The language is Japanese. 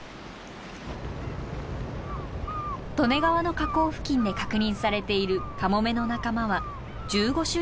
利根川の河口付近で確認されているカモメの仲間は１５種以上に及びます。